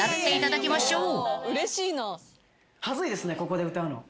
ここで歌うの。